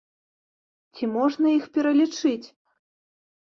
Ці можна іх пералічыць?